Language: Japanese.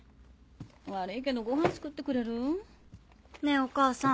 悪いけどごはん作ってくれる？ねぇお母さん。